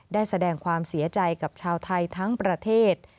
ได้แสดงความเสียใจกับชาวไทยทั้งประเทศ